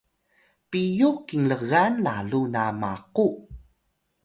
piyux kinlgan lalu na maqu